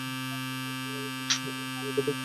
আর তোমার আগেপিছে চাকর থাকবে।